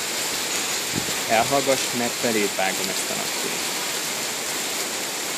Elhallgass, mert beléd vágom ezt a nagy kést!